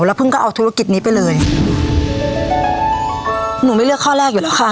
แล้วเพิ่งก็เอาธุรกิจนี้ไปเลยหนูไม่เลือกข้อแรกอยู่แล้วค่ะ